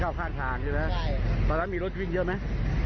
เดินออกล่านของเขาแล้วก็เตกข้อมา